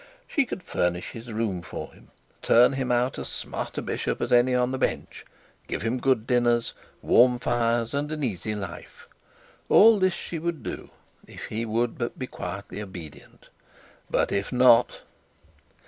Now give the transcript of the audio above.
She could furnish his room for him, turn him out as smart a bishop as any on the bench, give him good dinners, warm fires, and an easy life; all this she would do if he would but be quietly obedient. But if not